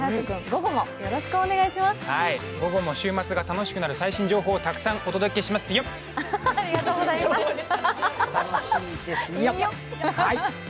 午後も週末が楽しくなる最新情報をたくさんお届けしますヨッ！